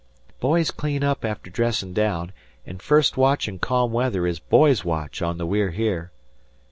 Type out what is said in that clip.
"Boys clean up after dressin' down an' first watch in ca'am weather is boy's watch on the We're Here."